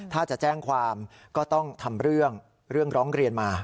ถ้าจะแจ้งความก็ต้องทำเรื่องเรื่องร้องเรียนมา